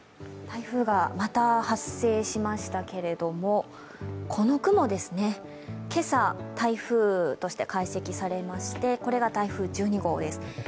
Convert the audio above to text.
台風がまた発生しましたけれども、この雲ですね、今朝、台風として解析されまして、これが台風１２号です。